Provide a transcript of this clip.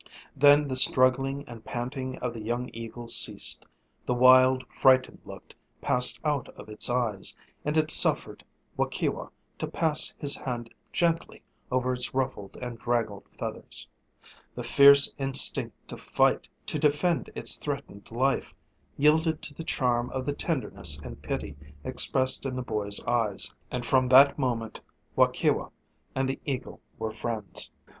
Then the struggling and panting of the young eagle ceased; the wild, frightened look passed out of its eyes, and it suffered Waukewa to pass his hand gently over its ruffled and draggled feathers. The fierce instinct to fight, to defend its threatened life, yielded to the charm of the tenderness and pity expressed in the boy's eyes; and from that moment Waukewa and the eagle were friends.